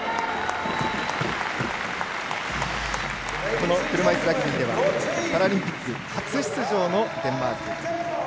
この車いすラグビーではパラリンピック初出場のデンマーク。